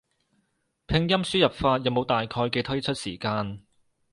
拼音輸入法有冇大概嘅推出時間？